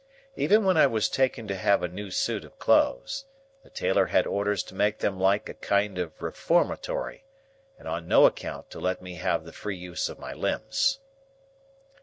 Even when I was taken to have a new suit of clothes, the tailor had orders to make them like a kind of Reformatory, and on no account to let me have the free use of my limbs.